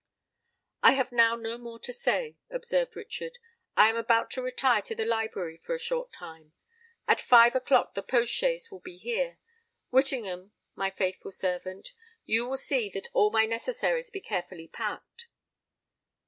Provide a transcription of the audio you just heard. "I have now no more to say," observed Richard. "I am about to retire to the library for a short time. At five o'clock the post chaise will be here. Whittingham, my faithful friend, you will see that all my necessaries be carefully packed."